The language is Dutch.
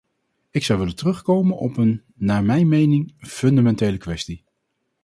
Ik zou willen terugkomen op een - naar mijn mening - fundamentele kwestie.